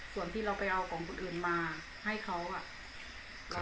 ส่วนที่เราไปเอาของคนอื่นมาให้เขาอ่ะ